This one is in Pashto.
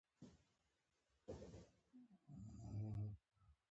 په غم او خوشحالۍ کې باید ګاونډی هېر نه شي